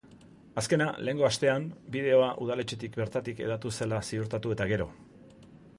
Azkena, lehengo astean, bideoa udaletxetik bertatik hedatu zela ziurtatu eta gero.